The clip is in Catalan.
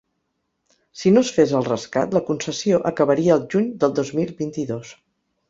Si no es fes el rescat, la concessió acabaria el juny del dos mil vint-i-dos.